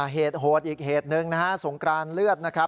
เหตุโหดอีกเหตุหนึ่งนะฮะสงกรานเลือดนะครับ